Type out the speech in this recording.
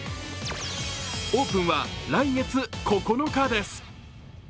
オープンは来月９日です。